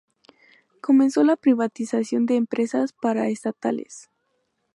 Comenzó la privatización de empresas paraestatales.